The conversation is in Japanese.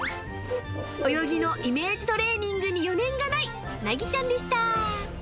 泳ぎのイメージトレーニングに余念がないなぎちゃんでした。